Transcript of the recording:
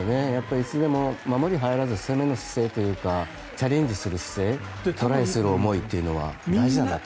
いつでも守りに入らず攻める姿勢というかチャレンジする姿勢トライする思いというのは大事だと。